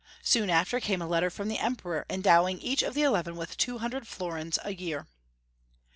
Soon after came a letter from the Emperor, endow ing each of the eleven with two hundred florins a year.